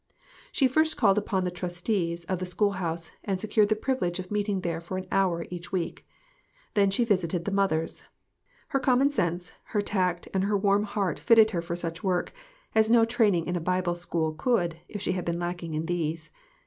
She first called upon the trustees of the school house, and secured the privilege of meeting there for an hour each week. Then she visited the mothers. Her common sense, her tact and her warm heart fitted her for such work, as no train ing in a Bible school could, if she had been lack ing in these.